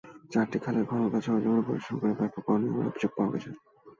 চারটি খালের খননকাজ সরেজমিন পরিদর্শন করে ব্যাপক অনিয়মের অভিযোগ পাওয়া গেছে।